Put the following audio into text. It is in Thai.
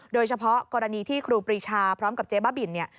โดยเฉพาะกรณีที่ครูปรีชาพร้อมกับเจ๊บ้าบินเนี่ย